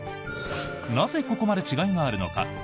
なぜ、ここまで違いがあるのか。